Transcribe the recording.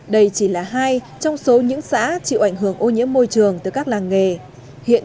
đây chỉ là hai trong số những xã chịu ảnh hưởng ô nhiễm môi trường từ các làng nghề hiện